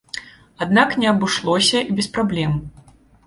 Аднак не абышлося і без праблем.